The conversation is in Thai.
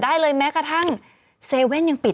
ดื่มน้ำก่อนสักนิดใช่ไหมคะคุณพี่